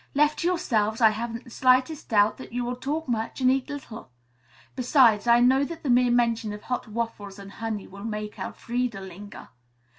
"Left to yourselves I haven't the slightest doubt that you will talk much and eat little. Besides, I know that the mere mention of hot waffles and honey will make Elfreda linger.